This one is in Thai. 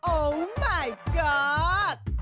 โอ้มายก็อด